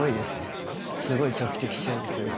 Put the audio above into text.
すごい長期的視野ですよね。